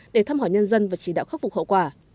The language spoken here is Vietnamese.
để thăm hỏi nhân dân và chỉ đạo khắc phục hậu quả